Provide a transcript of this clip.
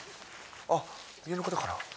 あっ、家の方かな。